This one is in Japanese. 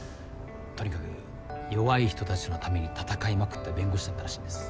とにかく弱い人たちのために闘いまくった弁護士だったらしいんです。